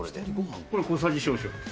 これ、小さじ少々です。